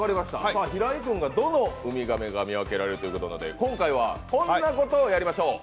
平井君がどの海亀か見分けられるということで今回はこんなことをやりましょう。